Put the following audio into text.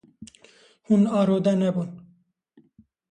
Hûn arode nebûn.